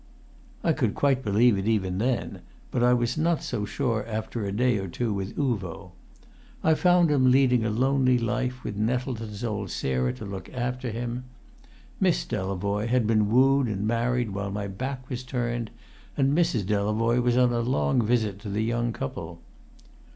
I could quite believe it even then but I was not so sure after a day or two with Uvo. I found him leading a lonely life, with Nettleton's old Sarah to look after him. Miss Delavoye had been wooed and married while my back was turned, and Mrs. Delavoye was on a long visit to the young couple.